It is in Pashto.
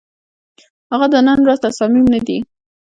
هغه د نن ورځ تصامیم نه دي،